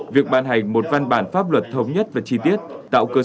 việc bàn hành một văn bản pháp luật thống nhất và chi tiết